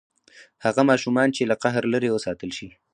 هغه ماشومان چې له قهر لرې وساتل شي.